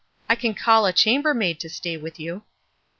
"I can call a chamber maid to stay with you."